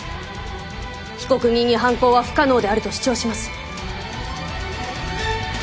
被告人に犯行は不可能であると主張します。